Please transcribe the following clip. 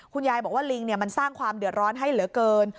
คุณยายบอกว่าลิงมันสร้างความเดือดร้อนให้เหลือเกิน